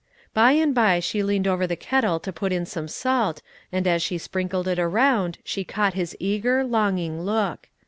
By and by she leaned over the kettle to put in some salt, and as she sprinkled it around she caught his eager, longing look.